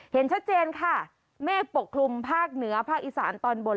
เห็นชัดเจนค่ะเมฆปกคลุมภาคเหนือภาคอีสานตอนบน